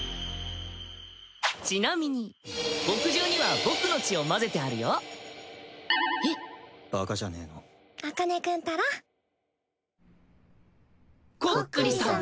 ちなみに墨汁には僕の血を混ぜてあるよえっバカじゃねえの茜君ったらこっくりさん